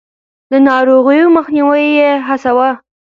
د ناروغيو مخنيوی يې هڅاوه.